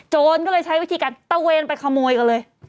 ก็เลยใช้วิธีการตะเวนไปขโมยกันเลย